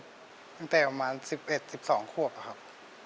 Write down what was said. ตั้งแต่ประมาณ๑๑๑๒ควบอะครับ